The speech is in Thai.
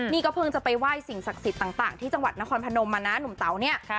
นี่ก็เพิ่งจะไปไหว้สิ่งศักดิ์สิทธิ์ต่างที่จังหวัดนครพนมมานะหนุ่มเต๋าเนี่ย